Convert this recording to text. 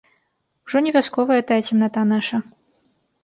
Ужо не вясковая тая цемната наша!